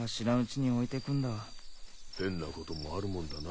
変なこともあるもんだな。